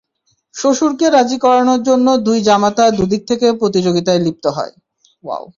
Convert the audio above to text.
শ্বশুরকে রাজি করানোর জন্য দুই জামাতা দুদিক থেকে প্রতিযোগিতায় লিপ্ত হয়।